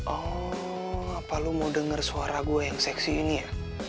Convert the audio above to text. oh apa lo mau dengar suara gue yang seksi ini ya